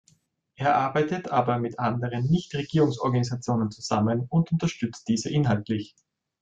Es arbeitet aber mit anderen Nichtregierungsorganisationen zusammen und unterstützt diese inhaltlich.